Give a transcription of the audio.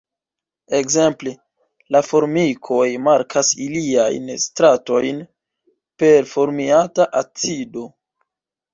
Ekzemple la formikoj markas iliajn „stratojn“ per formiata acido.